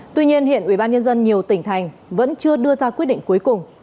tuy nhiên hiện ủy ban nhân dân nhiều tỉnh thành vẫn chưa đưa ra quyết định cuối cùng